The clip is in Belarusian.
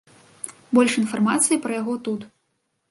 Больш інфармацыі пра яго тут.